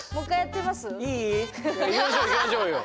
いい？いきましょういきましょうよ。